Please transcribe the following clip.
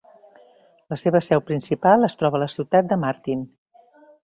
La seva seu principal es troba a la ciutat de Martin.